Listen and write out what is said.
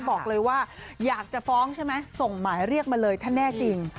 บอกเลยว่าอยากจะฟ้องใช่ไหมส่งหมายเรียกมาเลยถ้าแน่จริง